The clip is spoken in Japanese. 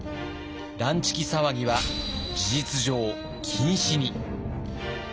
乱痴気騒ぎは事実上禁止に。